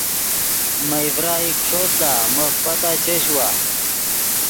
مئے ڤرائی کُو ݰوت لا مف پتا چش وا